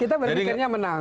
kita berpikirnya menang